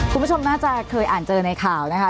คุณผู้ชมน่าจะเคยอ่านเจอในข่าวนะคะ